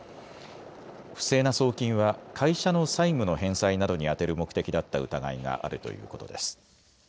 不正な送金は会社の債務の返済などに充てる目的だった疑いがあるということです。